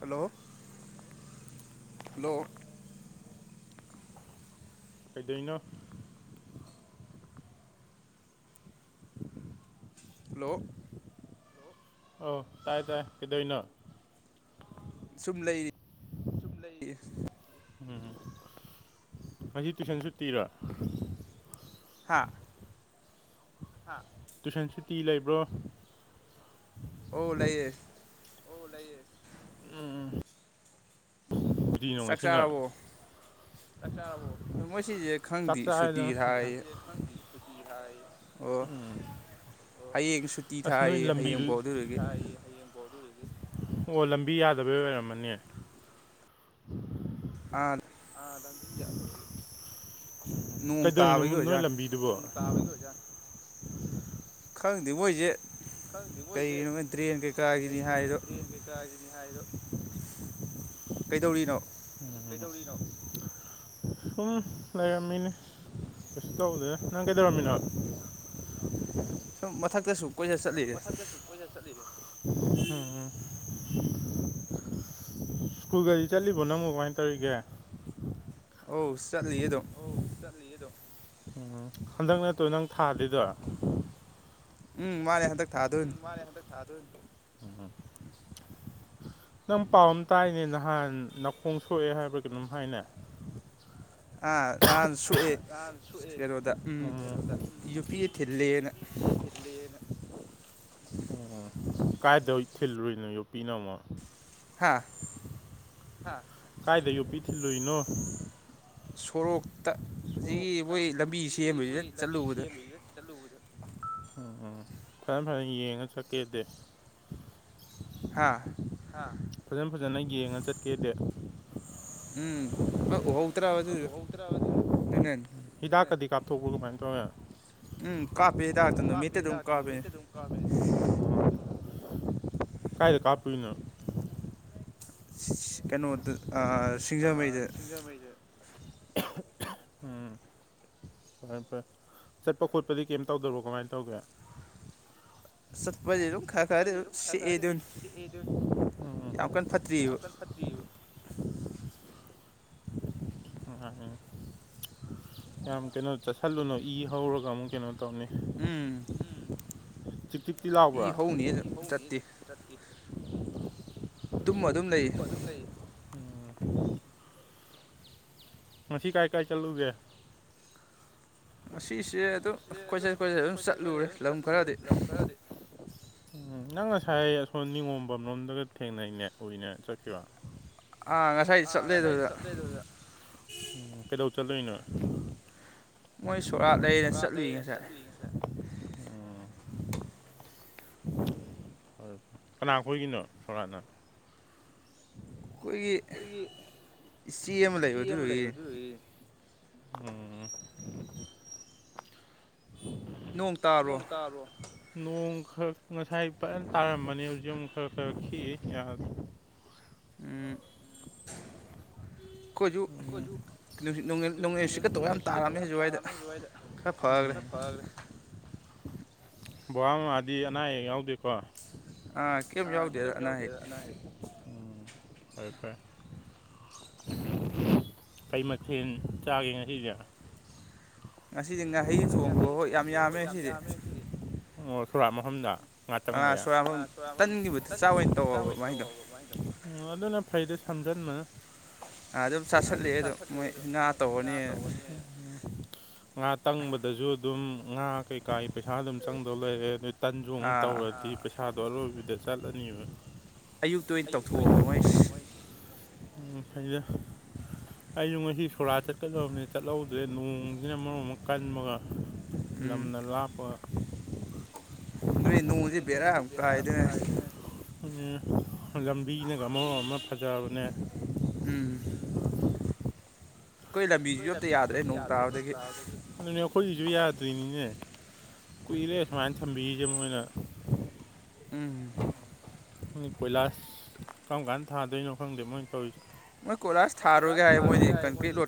Hello hello ꯀꯩꯗꯩꯅꯣ ꯂꯣ ꯑꯣ ꯇꯥꯏ ꯇꯥꯏ ꯀꯗꯣꯏꯅ ꯁꯨꯝ ꯂꯩꯔꯤ꯫ ꯎꯝ ꯑꯩꯁꯤ ꯇꯨꯏꯁꯟꯁꯨꯠꯇꯤꯔꯥ ꯍꯥꯥ ꯇꯨꯏꯁꯟ ꯁꯨꯇꯤ ꯂꯩꯕ꯭ꯔꯣ? ꯑꯣ ꯂꯩꯌꯦ꯫ ꯑꯣ ꯂꯩꯌꯦ꯫ ꯎꯝ ꯎꯝ ꯀꯔꯤꯅꯣ ꯉꯁꯤꯅ ꯆꯥꯛ ꯆꯔꯦ [unintelligible] ꯁꯨꯇꯤ ꯊꯥ ꯎꯝ ꯑꯣ ꯑꯁ ꯅꯣꯏ ꯂꯝꯕꯤꯗꯨꯗꯤ ꯍꯌꯦꯡ ꯑꯣ ꯂꯝꯕꯤ ꯌꯥꯗꯕꯩ ꯑꯣꯏꯔꯝꯃꯅꯤ ꯑꯥ ꯀꯩꯗꯧꯔꯤꯅꯣ ꯅꯣꯏ ꯂꯝꯕꯤꯗꯨꯕꯣ ꯈꯪꯗ ꯃꯣꯏꯁꯦ ꯈꯪꯗꯦ ꯃꯣꯏꯁꯦ ꯀꯩꯒꯤꯅꯅꯣ ꯇ꯭ꯔꯦꯟ ꯀꯩꯀꯥꯒꯤꯅꯤ ꯍꯥꯏꯕ ꯀꯩꯗꯧꯔꯤꯅꯣ ꯎꯝ ꯁꯨꯝ ꯂꯩꯔꯝꯃꯤꯅꯦ ꯀꯩꯁꯨ ꯇꯧꯗꯦ ꯅꯪ ꯀꯩꯗꯧꯔꯝꯃꯤꯅꯣ ꯁꯨꯝ ꯃꯊꯛꯇꯁꯨ ꯀꯣꯏꯆꯠ ꯆꯠꯂꯤꯅꯦ ꯀꯣꯆꯠ ꯆꯠꯂꯤꯔꯣ ꯎꯝ ꯁ꯭ꯀꯨꯜ ꯒꯥꯔꯤ ꯆꯠꯂꯤꯕꯣ ꯅꯪꯕꯨ ꯀꯃꯥꯏꯅ ꯇꯧꯔꯤꯒꯦ ꯑꯧ ꯆꯠꯂꯤꯌꯦ ꯑꯗꯨꯝ ꯆꯠꯂꯤꯌꯦ ꯑꯗꯨ ꯎꯝ ꯍꯟꯗꯛ ꯅꯠꯇꯣ ꯅꯪ ꯊꯥꯗꯣꯏꯗꯣ ꯎꯝ ꯃꯥꯅꯦ ꯍꯟꯗꯛ ꯎꯝ ꯃꯥꯅꯦ ꯍꯟꯗꯛ ꯊꯥꯗꯨꯏꯅꯦ ꯅꯪ ꯄꯥꯎ ꯑꯃ ꯇꯥꯏꯅꯦ ꯅꯍꯥꯟ ꯅꯥꯈꯣꯡ ꯁꯣꯛꯑꯦ ꯍꯥꯏꯕꯔ ꯀꯩꯅꯣꯝ ꯍꯥꯏꯅꯦ ꯑ ꯅꯍꯥꯟ ꯁꯣꯛꯑꯦ ꯀꯩꯅꯣꯗ ꯌꯨꯄꯤ ꯊꯤꯜꯂꯦꯅ ꯎꯝ ꯀꯥꯏꯗ ꯊꯤꯜꯂꯨꯏꯅꯣ ꯌꯣꯄꯤꯅꯃꯨꯛ ꯍꯥꯥ ꯍꯥ ꯀꯥꯏꯗ ꯌꯣꯄꯤ ꯊꯤꯜꯂꯨꯏꯅꯣ ꯁꯣꯔꯣꯛꯇ ꯍꯧꯖꯤꯛꯀꯤ ꯃꯣꯏ ꯂꯝꯕꯤꯁꯦ ꯃꯣꯏ ꯂꯝꯕꯤ ꯁꯦꯝꯕꯁꯤꯗ ꯆꯠꯂꯨꯕ ꯎꯝ ꯐꯟ ꯐꯟ ꯌꯦꯡꯉ ꯆꯠꯀꯦꯗꯤ ꯍꯥꯥ ꯍꯥ ꯐꯖꯟ ꯐꯖꯟ ꯌꯦꯡꯉ ꯆꯠꯀꯦꯗꯤ ꯎꯝ ꯑꯣꯍ ꯎꯍꯧꯗꯔꯕ ꯑꯗꯨꯏꯗꯣ ꯎꯍꯧꯗꯔꯕ ꯑꯗꯨꯗꯣ ꯎꯝ ꯍꯤꯗꯥꯛꯀꯗꯤ ꯀꯥꯞꯊꯣꯛꯄꯔꯣ ꯀꯃꯥꯏꯅ ꯇꯧꯔꯦ ꯎꯝ ꯀꯥꯄꯦ ꯅꯨꯃꯤꯠꯇ ꯑꯗꯨ ꯀꯥꯄꯦ ꯑꯣ ꯀꯥꯏꯗ ꯀꯥꯞꯄꯣꯏꯅꯣ ꯀꯩꯅꯣꯗ ꯑꯥ ꯁꯤꯡꯖꯃꯩꯗ ꯁꯤꯡꯖꯃꯩꯗ [unintelligible] ꯎꯝ ꯐꯔꯦ ꯐꯔꯦ ꯆꯠꯄ ꯈꯣꯠꯄꯗꯤ ꯀꯩꯝ ꯇꯧꯗꯕꯣ ꯀꯃꯥꯏꯅ ꯇꯧꯒꯦ ꯆꯠꯄꯗꯤ ꯑꯗꯨꯝ ꯈꯔ ꯈꯔꯗꯤ ꯑꯗꯨꯝ ꯁꯛꯑꯦꯗꯣꯅꯤ ꯌꯥꯝ ꯀꯟꯅ ꯐꯠꯇ꯭ꯔꯤꯑꯕ [unintelligible] ꯌꯥꯝ ꯀꯩꯅꯣ ꯆꯥꯁꯤꯜꯂꯨꯅꯨ ꯏ ꯍꯧꯔꯒ ꯑꯃꯨꯛ ꯀꯩꯅꯣ ꯇꯧꯅꯤ ꯆꯤꯛꯇꯤ ꯏ ꯍꯧꯅꯤ ꯆꯠꯇꯦ ꯆꯠꯇꯦ ꯇꯨꯝꯃ ꯑꯗꯨꯝ ꯂꯩ ꯂꯩ ꯎꯝ ꯉꯁꯤ ꯀꯥꯏ ꯀꯥꯏ ꯆꯠꯂꯨꯒꯦ ꯃꯁꯤꯁꯦ ꯑꯗꯨꯝ ꯀꯣꯏꯆꯠ ꯀꯣꯏꯆꯠ ꯑꯗꯨꯝ ꯆꯠꯂꯨꯔꯦ ꯂꯝ ꯈꯔꯗꯤ [inaudible] ꯎꯝ ꯅꯪ ꯉꯁꯥꯏ ꯑꯁꯣꯝ ꯅꯤꯉꯣꯝꯕꯝ ꯂꯣꯝꯗꯒ ꯊꯦꯡꯅꯩꯅꯦ ꯎꯏꯅ ꯆꯠꯈꯤꯕ ꯑꯥ ꯉꯁꯥꯏ ꯆꯠꯂꯦ ꯑꯗꯨꯗ ꯀꯩꯗꯧ ꯆꯠꯂꯨꯏꯅꯣ ꯃꯣꯏ ꯁꯣꯔꯥꯠ ꯂꯩꯌꯦꯅ ꯆꯠꯂꯨꯏ ꯉꯁꯥꯏ ꯑ ꯍꯣꯏ ꯀꯅꯥꯈꯣꯏꯒꯤꯅꯣ ꯐꯣꯔꯥꯠꯅ ꯑꯩꯈꯣꯏꯒꯤ ꯏꯆꯦ ꯑꯃ ꯂꯩꯕ ꯑꯗꯨꯗꯒꯤ ꯎꯝ ꯅꯣꯡ ꯇꯥꯔꯣ ꯅꯣꯡ ꯈꯔ ꯉꯁꯥꯏ ꯐꯖꯅ ꯇꯥꯔꯃꯅꯤ ꯍꯧꯖꯤꯛ ꯑꯃꯨꯛ ꯈꯔ ꯈꯔ ꯈꯤꯛꯑ ꯎ ꯀꯖ ꯅꯣꯡꯂꯩ ꯁꯤꯀ ꯇꯧ ꯌꯥꯝ ꯇꯥꯔ ꯅꯖ꯭ꯋꯥꯏꯗ ꯁꯤ ꯐꯈ꯭ꯔꯦ ꯕꯕꯥꯥ ꯃꯥꯗꯤ ꯑꯅꯥ ꯑꯌꯦꯛ ꯌꯥꯎꯗꯦꯀꯣ ꯑ ꯀꯦꯝ ꯌꯥꯎꯗꯦ ꯑꯅꯥ ꯍꯥꯏꯥꯏꯦ ꯑꯗꯨꯀꯣꯏ ꯍꯝꯝ ꯀꯩ ꯃꯈꯦꯜ ꯆꯥꯒꯦ ꯉꯁꯤꯁꯦ ꯉꯁꯤꯗꯤ ꯉꯥꯍꯩ ꯊꯣꯡꯕ ꯍꯣ ꯌꯥꯝ ꯌꯥꯝꯃꯦ ꯑꯁꯤꯗꯤ ꯑꯣ ꯁꯣꯔꯥ ꯃꯣꯍꯝꯗ ꯉꯥꯛꯇꯪ ꯃꯌꯥ ꯑꯥ ꯁꯣꯔ ꯑꯃꯝ ꯇꯟꯒꯤ ꯆꯥꯏ ꯑꯣꯏꯅ ꯇꯧꯕ ꯎ ꯑꯗꯨꯅ ꯐꯩꯗꯤ ꯁꯝꯖꯟꯕ ꯑꯗꯨꯝ ꯆꯥꯥꯁꯠꯂꯛꯑꯦ ꯑꯗꯣ ꯃꯣꯏꯅꯥ ꯇꯧꯔꯅꯤꯅ ꯉꯥ ꯇꯪꯕꯗꯁꯨ ꯑꯗꯨꯝ ꯉꯥ ꯀꯩꯀꯥ ꯄꯩꯁꯥ ꯑꯗꯨꯝ ꯆꯪꯗꯧ ꯂꯩꯔꯑꯦ ꯑꯗꯨ ꯇꯟꯖꯨꯡ ꯇꯧꯔꯗꯤ ꯄꯩꯁꯥꯗꯣ ꯑꯔꯣꯏꯕꯤꯗ ꯆꯠꯂꯅꯦꯕ ꯑꯌꯨꯛꯇ ꯑꯣꯏꯅ ꯇꯧꯊꯣꯛꯑꯕ ꯃꯩ ꯎꯝ ꯑꯩꯗ ꯑꯩꯁꯨ ꯉꯁꯤ ꯁꯣꯔꯥ ꯆꯠꯀꯗꯕꯅꯤ ꯆꯠꯍꯧꯗ꯭ꯔꯦ ꯅꯣꯡꯁꯤꯅ ꯃꯔꯝ ꯑꯃꯨ ꯀꯟꯕꯒ ꯂꯝꯅ ꯂꯥꯞꯄ ꯅꯏ ꯅꯣꯡꯁꯦ ꯕꯦꯔꯥ ꯌꯥꯝ ꯀꯥꯏꯗꯅꯦ ꯂꯝꯕꯤꯅꯒ ꯃꯔꯣꯡ ꯑꯃ ꯐꯖꯕꯅꯦ ꯎꯝ ꯑꯩꯈꯣꯏ ꯂꯝꯕꯤꯁꯤꯁꯨ ꯑꯝꯇ ꯌꯥꯗ꯭ꯔꯦ ꯅꯣꯡ ꯇꯥꯕꯗꯒꯤ ꯑꯗꯨꯅꯦ ꯑꯩꯈꯣꯏꯒꯤꯁꯨ ꯌꯥꯗ꯭ꯔꯤꯅꯤꯅꯦ ꯀꯨꯏꯔꯦ ꯁꯨꯃꯥꯏꯅ ꯊꯝꯕꯤꯔꯤꯁꯦ ꯃꯣꯏꯅ ꯎꯝ ꯀꯣꯏꯂꯥꯁ ꯀꯔꯝ ꯀꯥꯟ ꯊꯥꯗꯣꯏꯅꯣ ꯈꯪꯗꯦ ꯃꯣꯏ ꯇꯧꯔꯤꯁꯦ ꯃ ꯈꯨꯂꯥꯁ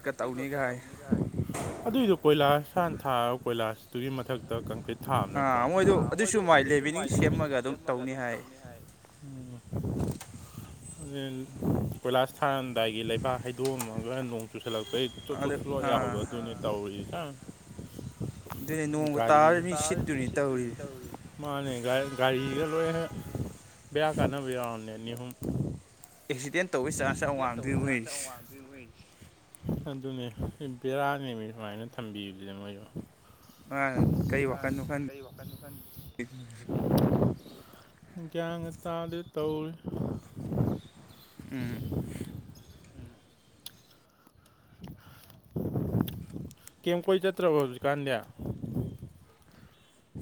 ꯊ ꯀꯔꯤ ꯔꯣꯒ ꯑꯗꯨꯏꯗꯨꯣ ꯀꯣꯏꯂꯥꯁ ꯍꯥꯟꯅ ꯊꯥꯒ ꯀꯣꯏꯂꯥꯁꯇꯨꯒꯤ ꯃꯊꯛꯇ ꯀꯪꯀ꯭ꯔꯤꯠ ꯊ ꯅꯠꯇ꯭ꯔꯣ ꯃꯣꯏꯗꯣ ꯑꯗꯨꯁꯨ ꯃꯥꯏꯦ ꯃꯤꯅꯤꯡ ꯁꯦꯝꯃꯒ ꯑꯗꯨꯝ ꯇꯧꯅꯤ ꯍꯥꯏ ꯎ ꯀꯣꯏꯂꯥꯁ ꯊꯥꯔꯝꯗꯥꯏꯒꯤ ꯂꯩꯕꯥꯛ ꯍꯩꯗꯣꯛꯑꯝꯃꯒ ꯆꯨꯁꯤꯜꯂꯛꯄ ꯑꯩ ꯆꯣꯠ ꯆꯣꯠ ꯆꯠ ꯆꯠ ꯌꯥꯍꯧꯕ ꯑꯗꯨꯅꯦ ꯇꯧꯔꯤꯁꯪ ꯑꯗꯨꯅꯦ ꯅꯣꯡꯃ ꯇꯥꯔꯅꯤ ꯁꯤꯠꯇꯨꯅꯤ ꯇꯧꯔꯤꯁ ꯃꯥꯅꯦ ꯒꯥꯔꯤꯒ ꯂꯣꯏꯍꯦꯛ ꯭ꯌꯥ ꯀꯥꯟꯅꯅꯕꯗꯅꯤꯍꯨꯝ ꯑꯦꯛꯁꯤꯗꯦꯟ ꯇꯧꯕꯒꯤ ꯆꯥꯟꯁ ꯌꯥꯝ ꯋꯥꯡꯗꯣꯏ ꯃꯩꯁ ꯑꯗꯨꯅꯦ ꯕꯦꯔꯥꯅꯤ ꯁꯨꯃꯥꯏꯅ ꯊꯝꯕꯤꯕꯁꯤꯗ ꯃꯣꯏꯗ ꯑ ꯀꯩ ꯋꯥ ꯒ꯭ꯌꯥꯟ ꯇꯥꯗꯤ ꯇꯧꯏ ꯎ ꯀꯦꯝ ꯀꯣꯏ ꯆꯠꯇ꯭ꯔꯕꯣ ꯍꯧꯖꯤꯛꯀꯥꯟꯗꯤ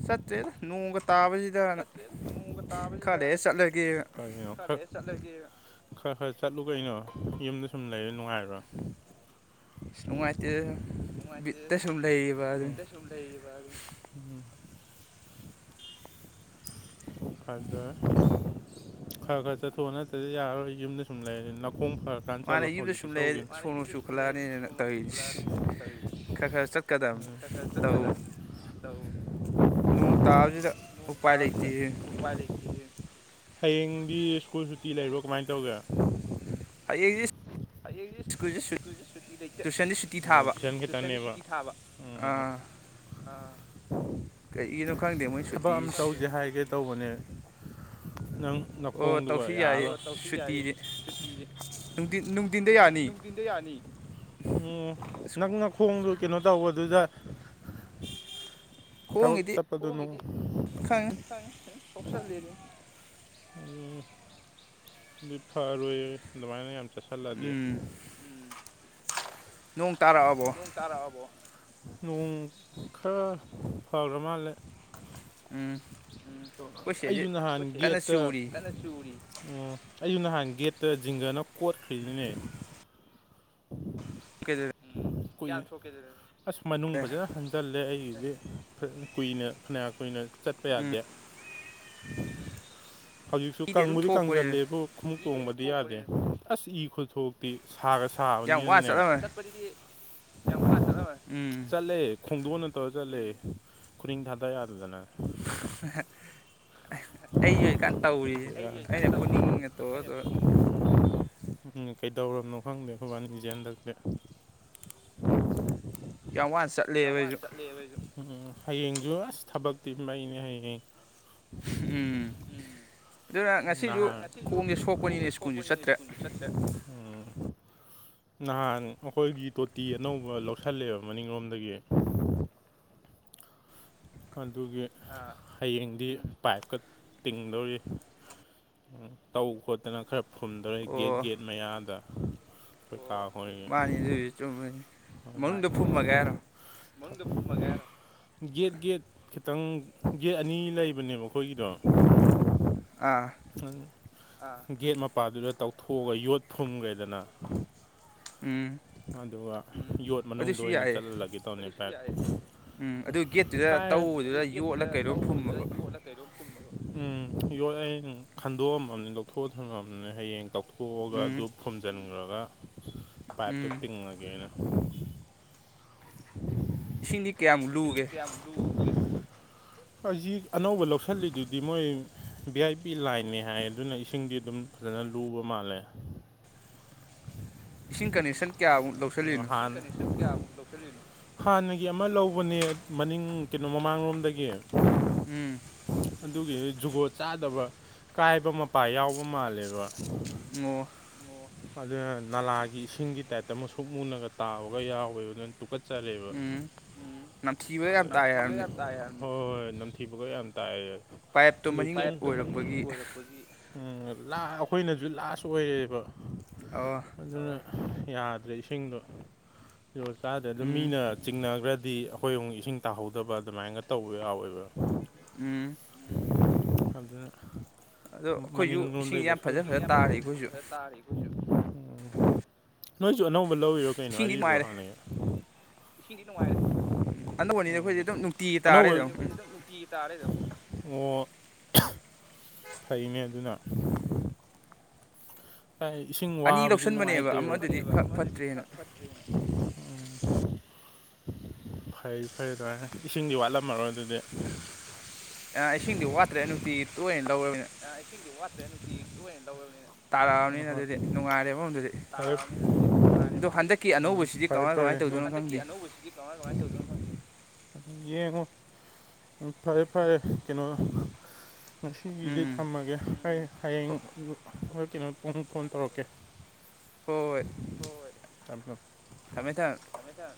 ꯁꯇ ꯅꯣꯡꯒ ꯇꯥꯕ ꯆꯆ ꯇ ꯀꯇꯥꯕꯗꯅ ꯦ ꯈꯔ ꯈꯔ ꯆꯠꯂꯨ ꯀꯩꯅꯣ ꯌꯨꯝꯗ ꯁꯨꯝ ꯂꯩꯔꯦ ꯅꯨꯡꯉꯥꯏꯔꯣ ꯁꯃꯥꯏꯦ ꯏꯇ ꯂꯩꯕ ꯑꯗ ꯈꯔ ꯈꯔ ꯆꯠꯊꯣꯛ ꯅꯠꯇ꯭ꯔꯗꯤ ꯌꯥꯔꯣꯏ ꯌꯨꯝꯗ ꯁꯨꯝ ꯂꯩꯔ ꯅꯥꯀꯣꯡ ꯈꯔ ꯀꯥꯟ ꯆꯠꯂꯣ ꯍꯧꯖꯤꯛꯇꯤ ꯆꯧꯒꯦ ꯌꯂꯦ ꯎꯝ ꯅꯣꯡ ꯇꯥꯕꯁꯤꯗ ꯄꯥꯏꯔꯛꯈꯤꯦ ꯍꯌꯦꯡꯗꯤ ꯁ꯭ꯀꯨꯜ ꯁꯨꯇꯤ ꯂꯩꯔꯣ ꯀꯃꯥꯏꯅ ꯇꯧꯒꯦ [inaudible] ꯑꯩꯡꯁꯦ꯭ꯀꯨꯜꯁ ꯁꯨꯇꯤ ꯂꯩꯇꯦ ꯑꯣ ꯐꯟ ꯈꯤꯇꯪꯅꯦꯕ꯭ꯔ ꯎꯝ ꯊꯕꯛ ꯑꯃ ꯇꯧꯁꯦ ꯍꯥꯏꯒꯦ ꯇꯧꯕꯅꯦ ꯅꯪ ꯅꯈꯣꯡꯗꯨꯒ ꯌꯥꯔꯣꯏ ꯇꯧꯁꯨ ꯌꯥꯏꯌꯦ ꯁꯨꯇꯤꯁꯦ ꯗꯤ ꯅꯨꯡ ꯅꯨꯡꯊꯤꯟꯗ ꯌꯥꯅꯤ ꯎ ꯅꯪꯅ ꯈꯣꯡꯗꯨ ꯀꯩꯅꯣ ꯇꯧꯕꯗꯨꯗ ꯊꯕꯛ ꯆꯠꯄꯗꯨꯅꯤ ꯈꯪ ꯁꯣꯛꯞꯁ ꯂꯔꯨ ꯎ ꯑꯗꯨꯗꯤ ꯐꯔꯣꯏ ꯑꯗꯨꯃꯥꯏꯅ ꯌꯥꯝ ꯆꯠꯁꯤꯜꯂꯗꯤ ꯅꯣꯡ ꯇꯥꯔꯛꯑꯕꯣ ꯇꯥꯔꯛꯑꯕꯣ ꯅꯣꯡ ꯈꯔ ꯐꯕ꯭ꯔ ꯃꯥꯜꯂꯦ ꯎꯝ ꯎꯝ ꯑꯩꯁꯨ ꯅꯍꯥꯟ ꯒꯦꯠꯇ ꯑꯣ ꯑꯩꯁꯨ ꯅꯍꯥꯟ ꯒꯦꯠꯇ ꯖꯤꯡꯒꯅ ꯀꯣꯠꯈ꯭ꯔꯤꯅꯤꯅꯦ ꯀꯦꯦ ꯑꯁ ꯃꯅꯨꯡ ꯐꯖꯅ ꯍꯟ ꯆꯠꯂꯦ ꯑꯩꯒꯤꯗꯤ ꯀꯨꯏꯅ ꯐꯅꯌꯥꯝ ꯀꯨꯏꯅ ꯆꯠꯄ ꯌꯥꯗꯦ ꯍꯧꯖꯤꯛꯁꯨ ꯀꯥꯡꯪꯕꯨꯗꯤ ꯀꯪꯁꯤꯜꯂꯦꯕꯨ ꯈꯎꯛ ꯇꯣꯡꯕꯗꯤ ꯌꯥꯗꯦ ꯑꯁ ꯏ ꯈꯨꯠꯊꯣꯛꯇꯤ ꯁꯥꯒ ꯊꯥꯕꯅꯤꯅꯅꯦ ꯆꯠꯄꯗꯤ ꯌꯥꯝ ꯋꯥ ꯆꯠꯂꯦ ꯈꯣꯡꯗꯣꯟꯅ ꯇꯧꯔ ꯆꯠꯂꯦ ꯈꯨꯔꯤꯡ ꯊꯥꯗ ꯌꯥꯗꯗꯅ ꯑꯩꯁꯨ ꯑꯣꯏꯖꯤꯛꯀꯥꯟ ꯇꯧꯔꯤꯁꯦ ꯑꯩꯅ ꯈꯨꯅꯤꯡ ꯑ ꯇꯧ ꯎ ꯀꯩꯗꯧꯔꯕꯅꯣ ꯈꯪꯗꯦ ꯑꯩꯈꯣꯏꯕꯥꯅꯤ ꯏꯁꯦ ꯍꯟꯗꯛꯁꯦ ꯎ ꯌꯥꯝ ꯋꯥꯅ ꯆꯠꯂꯦꯕ ꯑꯩꯁꯨ ꯎꯝ ꯍꯌꯦꯡꯁꯨ ꯑꯁ ꯊꯕꯛꯇꯤ ꯃꯩꯅꯦ ꯍꯌꯦꯡ ꯎꯝ ꯑꯗꯨꯅ ꯉꯁꯤꯁꯨ ꯈꯣꯡꯁꯦ ꯁꯣꯛꯄꯅꯤꯅ ꯁ꯭ꯀꯨꯜꯁꯨ ꯆꯠꯇ꯭ꯔꯦ ꯎꯝ ꯅꯍꯥꯟ ꯑꯩꯈꯣꯏꯒꯤ ꯇꯣꯇꯤ ꯑꯅꯧꯕ ꯂꯧꯁꯜꯂꯦꯕ ꯃꯅꯤꯡꯂꯣꯝꯗꯒꯤ ꯑꯗꯨꯒꯤ ꯍꯌꯦꯡꯗꯤ ꯄꯥꯏꯞꯀ ꯇꯤꯡꯗꯧꯔꯤ ꯎ ꯇꯧ ꯈꯣꯠꯇꯅ ꯈꯔ ꯐꯨꯝꯗꯧꯔꯦ ꯒꯦꯠ ꯒꯦꯠ ꯃꯌꯥꯗ ꯀꯈꯣꯏ ꯀꯥꯈ ꯃꯟꯗ ꯐꯃꯒ ꯌꯦꯦꯠ ꯒꯦꯠ ꯈꯤꯇꯪ ꯒꯦꯠ ꯑꯅꯤ ꯂꯩꯕꯅꯦꯕ ꯑꯩꯈꯣꯏꯒꯤꯗꯣ ꯑꯥ ꯒꯦꯠ ꯃꯄꯥꯗꯨꯗ ꯇꯧꯊꯣꯛꯑꯒ ꯌꯣꯠ ꯊꯨꯝꯈ꯭ꯔꯦꯗꯅ ꯎꯝ ꯑꯗꯨꯒ ꯌꯣꯠ ꯃꯅꯨꯡꯗ ꯑꯣꯏꯅ ꯆꯠꯍꯜꯂꯒꯦ ꯇꯧꯅꯦ ꯚꯥꯏꯞ ꯀꯥꯏ ꯑꯗꯨ ꯇꯧꯕꯗꯨꯗ ꯌꯣꯂ ꯎꯝ ꯌꯣꯏ ꯑꯩ ꯈꯟꯗꯣꯛꯑꯝꯃꯕꯅꯤ ꯂꯧꯊꯣꯛꯑꯊꯝꯅꯦ ꯍꯌꯦꯡ ꯇꯧꯊꯣꯛ ꯄꯣꯛꯑꯒ ꯑꯗꯨ ꯐꯨꯝꯖꯤꯟꯈ꯭ꯔꯒ [unintelligible] ꯏꯁꯤꯡꯗꯤ ꯀꯌꯥꯃꯨꯛ ꯂꯨꯒꯦ [unintelligible] ꯍꯧꯖꯤꯛ ꯑꯅꯧꯕ ꯂꯧꯁꯤꯜꯂꯤꯗꯨꯗꯤ ꯃꯣꯏ ꯚꯤ ꯑꯥꯏ ꯄꯤ ꯂꯥꯏꯟꯅꯦ ꯍꯥꯏ ꯑꯗꯨꯅ ꯏꯁꯤꯡꯗꯤ ꯑꯗꯨꯝ ꯐꯖꯅ ꯂꯨꯕ ꯃꯥꯜꯂꯦ ꯎꯝ ꯅꯍꯥꯟ ꯍꯥꯟꯅꯒꯤ ꯑꯃ ꯂꯧꯕꯅꯦ ꯃꯅꯤꯡ ꯀꯩꯅꯣ ꯃꯃꯥꯡꯂꯣꯝꯗꯒꯤ ꯎꯝ ꯑꯗꯨꯒꯤ ꯖꯨꯒꯣꯠ ꯆꯥꯗꯕ ꯀꯥꯏꯕ ꯃꯄꯥ ꯌꯥꯎꯕ ꯃꯥꯜꯂꯦꯕ ꯑꯣ ꯑꯗꯨꯅ ꯅꯂꯥꯒꯤ ꯏꯁꯤꯡꯒꯤ ꯇꯥꯏꯞꯇ ꯃꯨꯁꯨꯛ ꯃꯨꯟꯅꯒ ꯇꯥꯕꯒ ꯌꯥꯎꯋꯦꯕ ꯑꯗꯨꯅ ꯇꯨ ꯀꯠꯆꯔꯦꯕ [unintelligible] ꯌꯥꯝ ꯇꯥꯢ ꯍꯣꯏ ꯍꯣꯏ ꯅꯝꯊꯤꯕꯒ ꯌꯥꯝ ꯇꯥꯏꯌꯦ ꯄꯥꯏꯞꯗꯨ ꯃꯅꯤꯡ ꯑꯣꯢꯔꯛꯄꯒꯤ ꯑꯩꯈꯣꯏꯅꯁꯨ ꯂꯥꯁ ꯑꯣꯏꯔꯦꯕ ꯑꯣ ꯑꯗꯨꯅ ꯌꯥꯗ꯭ꯔꯦ ꯏꯁꯤꯡꯗꯣ ꯌꯨꯒꯣꯠ ꯆꯥꯗ꯭ꯔꯦ ꯑꯗꯨ ꯃꯤꯅ ꯆꯤꯡꯅꯒ꯭ꯔꯗꯤ ꯑꯩꯈꯣꯏ ꯑꯃꯨꯛ ꯏꯁꯤꯡ ꯇꯥꯍꯧꯗꯕ ꯑꯗꯨꯃꯥꯏꯅꯒ ꯇꯧꯕ ꯌꯥꯎꯋꯦꯕ ꯎꯝ ꯑꯗꯨꯅ ꯃꯅꯤꯡ ꯂꯣꯝꯗꯩ ꯂꯧꯁꯜꯂ [unintelligible] ꯅꯣꯏꯁꯨ ꯑꯅꯧꯕ ꯂꯧꯔꯤꯔꯣ ꯀꯩꯅꯣ ꯑꯔꯤꯕꯔꯣ ꯍꯥꯟꯅꯒꯤ ꯏꯁꯤꯡꯗꯤ ꯅꯨꯉꯥꯢꯔꯅꯤ ꯑꯅꯧꯕꯅꯤꯅ ꯑꯩꯈꯣꯏꯗꯤ ꯑꯗꯨꯝ ꯅꯨꯡꯇꯤꯒꯤ ꯇꯥꯔꯦ ꯑꯗꯨꯝ ꯇꯤ ꯇꯥꯔꯦꯗ ꯑꯣ ꯐꯩꯅꯦ ꯑꯗꯨꯅ ꯏꯁꯤꯡ ꯋꯥꯕꯁꯤ ꯅꯨꯡꯉꯥꯏꯇꯦꯕ ꯎꯝ ꯐꯩ ꯐꯩ ꯑꯗꯨꯃꯥꯏꯅ ꯏꯁꯤꯡꯗꯤ ꯋꯥꯠꯂꯝꯃꯔꯣꯏ ꯑꯗꯨꯗꯤ ꯑ ꯏꯁꯤꯡꯗꯤ ꯋꯥꯠꯇ꯭ꯔꯦ ꯅꯨꯡꯇꯤꯒꯤ ꯇꯣꯏꯅ ꯂꯧꯔꯕꯅꯤꯅ ꯑ ꯏꯁꯤꯡꯗꯤ ꯋꯥꯠꯇ꯭ꯔꯦ ꯅꯨꯡꯇꯤ ꯇꯣꯢꯅ ꯂꯧꯔꯃꯤꯅ ꯍꯣ ꯍꯣꯢ [unintelligible] [inaudible] ꯎꯝ ꯐꯔꯦ ꯐꯔꯦ ꯍꯟꯗꯛꯀꯤ ꯑꯅꯧꯕꯁꯤꯗꯤ ꯀꯃꯥꯏ ꯀꯃꯥꯏꯅ ꯇꯧꯗꯣꯏꯅꯣ ꯈꯪꯗꯦ ꯌꯦꯡꯉꯣ ꯎꯝ ꯐꯔꯦ ꯐꯔꯦ ꯀꯩꯅꯣ ꯉꯁꯤꯒꯤꯗꯤ ꯊꯝꯃꯒꯦ ꯍꯌꯦꯡ ꯀꯩꯅꯣ ꯄꯨꯡ ꯐꯣꯟ ꯇꯧꯔꯛꯀꯦ ꯍꯣ ꯍꯣꯢ ꯊꯝ ꯊꯝ ꯊꯝꯃꯦ ꯊꯝ ꯊꯃꯦ ꯊꯃꯦ